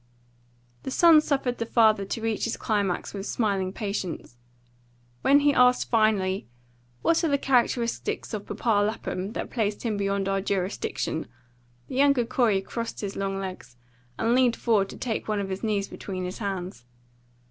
The son suffered the father to reach his climax with smiling patience. When he asked finally, "What are the characteristics of Papa Lapham that place him beyond our jurisdiction?" the younger Corey crossed his long legs, and leaned forward to take one of his knees between his hands.